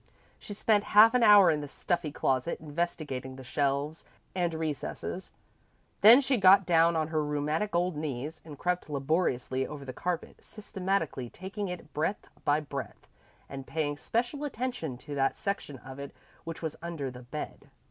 She spent half an hour in the stuffy closet, investigating the shelves and recesses, then she got down on her rheumatic old knees and crept laboriously over the carpet, systematically taking it breadth by breadth, and paying special attention to that section of it which was under the bed.